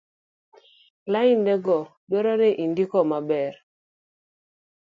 laindego dwaro ni indiko maber